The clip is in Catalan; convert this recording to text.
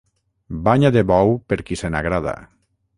Banya de bou per qui se n'agrada.